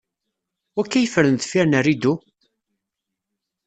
Wakka yeffren deffir n rridu?